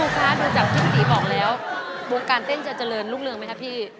คะดูจากคลิปตีบอกแล้ววงการเต้นจะเจริญรุ่งเรืองไหมครับพี่